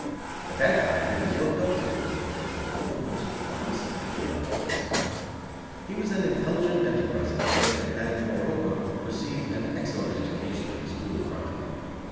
At that time he was looked up to in the neighborhood as one of the most promising of the younger thieves. He was an intelligent, enterprising boy and had, moreover, received an excellent education in the school of crime.